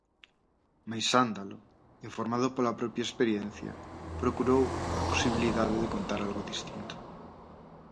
Mais Sándalo, informado pola propia experiencia, procurou a posibilidade de contar algo distinto.